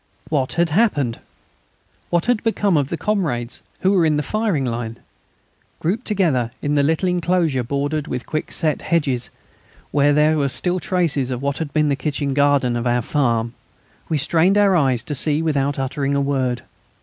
What had happened? What had become of the comrades who were in the firing line? Grouped together in the little enclosure bordered with quick set hedges where there were still traces of what had been the kitchen garden of our farm, we strained our eyes to see without uttering a word.